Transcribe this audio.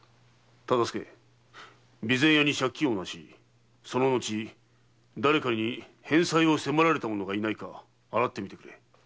備前屋に借金をなしその後誰かに返済を迫られた者がいないか洗ってみてくれ。